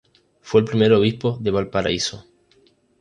Fue el primer obispo de Valparaíso.